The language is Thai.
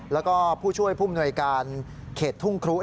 แล้วก็ผู้ช่วยผู้มนวยการเขตทุ่งครุ